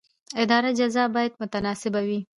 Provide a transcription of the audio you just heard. اداري جزا باید متناسبه وي.